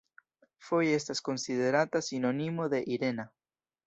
Foje estas konsiderata sinonimo de "Irena".